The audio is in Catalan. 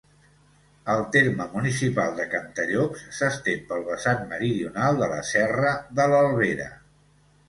El terme municipal de Cantallops s'estén pel vessant meridional de la serra de l'Albera.